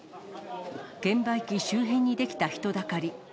券売機周辺に出来た人だかり。